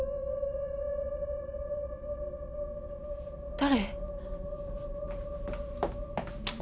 誰？